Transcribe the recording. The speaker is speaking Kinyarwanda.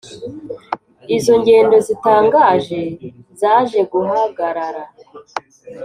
Izo ngendo zitangaje zaje guhagarara.